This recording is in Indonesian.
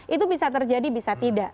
itu bisa terjadi bisa tidak